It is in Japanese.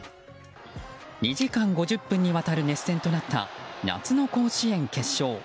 ２時間５０分にわたる熱戦となった夏の甲子園決勝。